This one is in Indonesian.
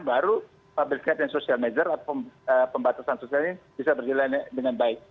baru public cap and social measure atau pembatasan sosial ini bisa berjalan dengan baik